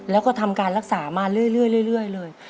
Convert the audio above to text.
แล้วก็ทำการรักษามาเรื่อยเลย